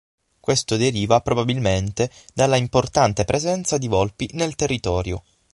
Questo deriva probabilmente dalla importante presenza di volpi nel territorio.